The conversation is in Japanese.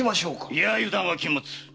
いや油断は禁物！